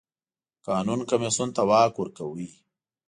قانون کمېسیون ته واک ورکاوه.